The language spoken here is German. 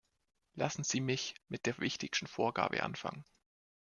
Lassen Sie mich mit der wichtigsten Vorgabe anfangen.